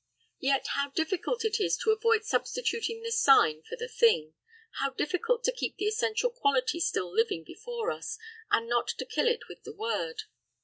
Yet, how difficult it is to avoid substituting the sign for the thing; how difficult to keep the essential quality still living before us, and not to kill it with the word.